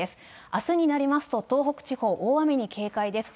あすになりますと東北地方、大雨に警戒です。